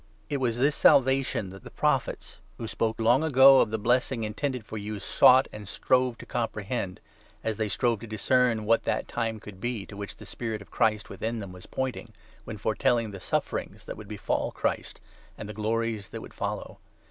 It was this Salvation that 10 the Prophets, who spoke long ago of the blessing intended for 454 I. PETER, 1. you, sought, and strove to comprehend ; as they strove to discern what that time could be, to which the Spirit of Christ within them was pointing, when foretelling the suffer ings that would befall Christ, and the glories that would follow.